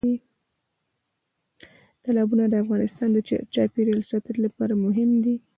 تالابونه د افغانستان د چاپیریال ساتنې لپاره مهم دي.